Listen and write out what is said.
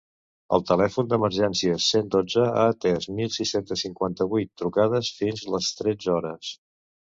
El telèfon d’emergències cent dotze ha atès mil sis-cents cinquanta-vuit trucades fins les tretze hores.